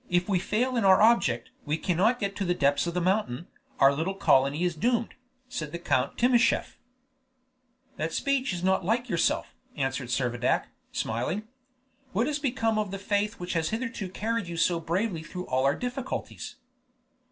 "If we fail in our object, and cannot get to the depths of the mountain, our little colony is doomed," said Count Timascheff. "That speech is not like yourself," answered Servadac, smiling. "What has become of the faith which has hitherto carried you so bravely through all our difficulties?"